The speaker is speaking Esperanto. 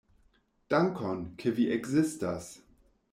Dankon, ke vi ekzistas.